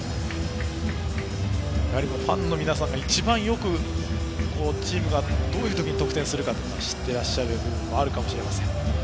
ファンの皆さんが一番よくチームがどういう時に得点するか知っていらっしゃる部分があるかもしれません。